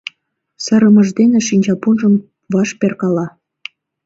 Сырымыж дене шинчапунжым ваш перкала.